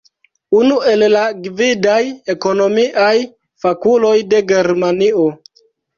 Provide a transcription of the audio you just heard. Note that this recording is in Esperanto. Unu el la gvidaj ekonomiaj fakuloj de Germanio.